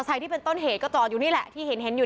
เลิกเลิกเลิกเลิกเลิกเลิกเลิกเลิกเลิก